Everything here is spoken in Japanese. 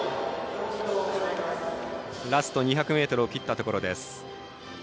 ラスト２００ｍを切ったところです。